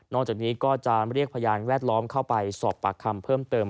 จากนี้ก็จะเรียกพยานแวดล้อมเข้าไปสอบปากคำเพิ่มเติม